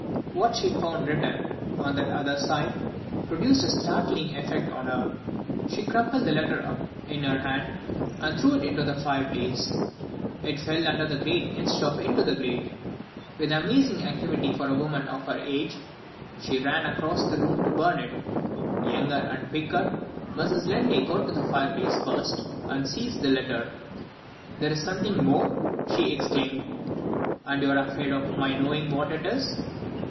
What she found written, on that other side, produced a startling effect on her. She crumpled the letter up in her hand, and threw it into the fireplace. It fell under the grate instead of into the grate. With amazing activity for a woman of her age, she ran across the room to burn it. Younger and quicker, Mrs. Linley got to the fireplace first, and seized the letter. "There is something more!" she exclaimed. "And you are afraid of my knowing what it is."